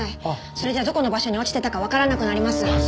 それじゃどこの場所に落ちてたかわからなくなります。